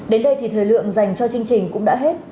đến đây thì thời lượng dành cho chương trình cũng đã hết